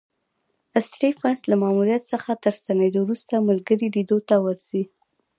سټېفنس له ماموریت څخه تر ستنېدو وروسته ملګري لیدو ته ورځي.